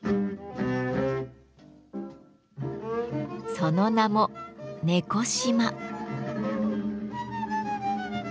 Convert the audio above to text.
その名も猫島。